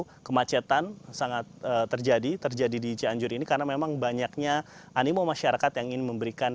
jadi kemacetan sangat terjadi terjadi di cianjur ini karena memang banyaknya animo masyarakat yang ingin memberikan